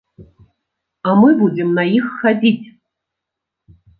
А мы будзем на іх хадзіць!